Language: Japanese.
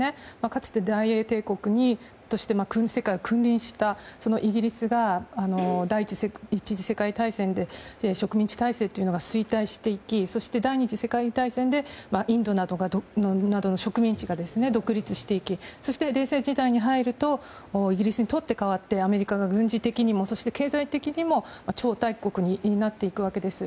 かつて大英王国として世界に君臨したイギリスが第１次世界大戦で植民地体制が衰退していき第２次世界大戦でインドなどの植民地が独立していきそして冷戦時代に入るとイギリスにとって代わってアメリカが軍事的にも経済的にも超大国になっていくわけです。